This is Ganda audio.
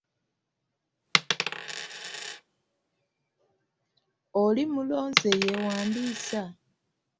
Oli mulonzi eyeewandiisa?